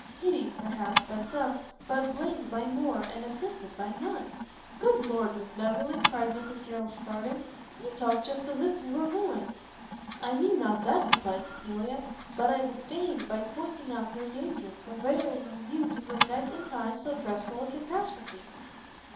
pitied, perhaps, by some, but blamed by more, and assisted by none!" "Good Lord, Miss Beverley!" cried Mrs Harrel, starting, "you talk just as if we were ruined!" "I mean not that," replied Cecilia, "but I would fain, by pointing out your danger, prevail with you to prevent in time so dreadful a catastrophe."